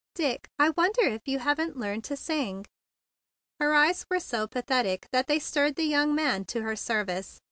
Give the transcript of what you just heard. "Dick, I wonder if you haven't learned to sing." Her eyes were so pathetic that they stirred the young man to her service.